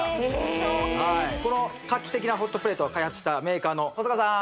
はいこの画期的なホットプレートを開発したメーカーの細川さん